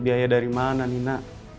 biaya dari mana nina